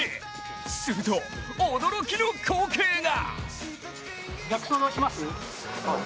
すると、驚きの光景が！